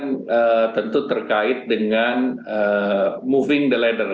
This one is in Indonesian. tekstil ini kan tentu terkait dengan moving the ladder